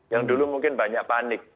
yang dulu mungkin banyak panik